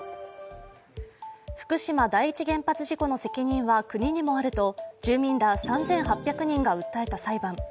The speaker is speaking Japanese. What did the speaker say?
福島第一原発事故の責任は国にもあると住民ら３８００人が訴えた裁判。